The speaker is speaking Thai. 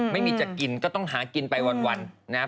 ไม่มีจะกินก็ต้องหากินไปวันนะครับ